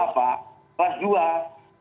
pak kelas dua